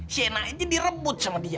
shena aja direbut sama dia